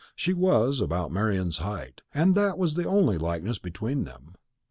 She was about Marian's height; and that was the only likeness between them.